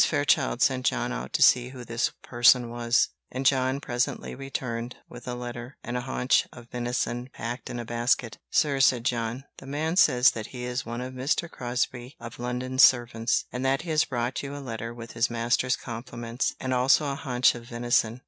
Fairchild sent John out to see who this person was; and John presently returned with a letter, and a haunch of venison packed in a basket. "Sir," said John, "the man says that he is one of Mr. Crosbie of London's servants; and that he has brought you a letter with his master's compliments, and also a haunch of venison."